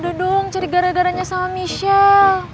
udah dong cari gara garanya sama michal